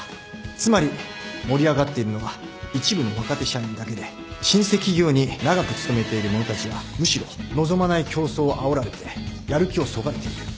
つまり盛り上がっているのは一部の若手社員だけで老舗企業に長く勤めている者たちはむしろ望まない競争をあおられてやる気をそがれている。